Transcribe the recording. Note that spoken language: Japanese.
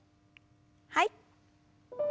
はい。